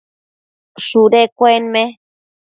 shudu cuenme